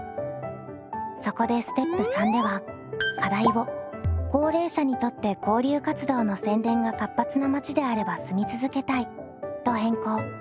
そこでステップ３では課題を「高齢者にとって交流活動の宣伝が活発な町であれば住み続けたい」と変更。